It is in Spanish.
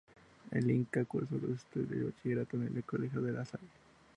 En Inca cursó los estudios de Bachillerato en el Colegio de La Salle.